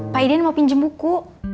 pak idan mau pinjem buku